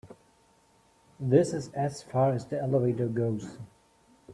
This is as far as the elevator goes.